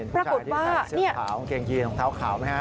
ปรากฏว่าผู้ชายที่ทำเสื้อข่าวเกงยีนรองเท้าขาวไหมครับ